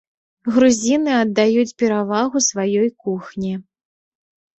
Грузіны аддаюць перавагу сваёй кухні.